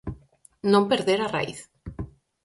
"Non perder a raíz".